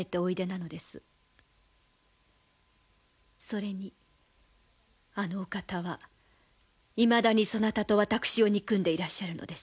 それにあのお方はいまだにそなたと私を憎んでいらっしゃるのです。